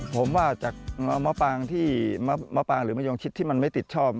ผมว่ามอปังหรือมายหงค์ชิดที่มันไม่ติดช่อ